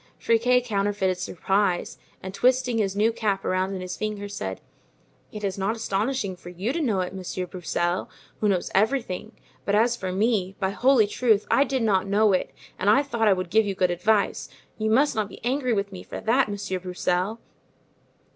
Friquet counterfeited surprise, and twisting his new cap around in his fingers, said: "It is not astonishing for you to know it, Monsieur Broussel, who knows everything; but as for me, by holy truth, I did not know it and I thought I would give you good advice; you must not be angry with me for that, Monsieur Broussel."